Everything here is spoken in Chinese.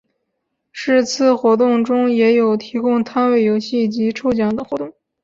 是次活动中也有提供摊位游戏及抽奖等活动。